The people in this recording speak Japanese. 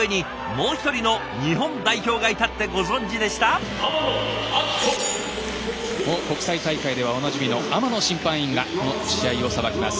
もう国際大会ではおなじみの天野審判員がこの試合を裁きます。